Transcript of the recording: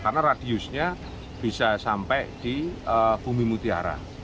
karena radiusnya bisa sampai di bumi mutiara